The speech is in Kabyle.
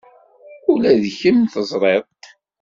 Ula d kemm teẓriḍ-t.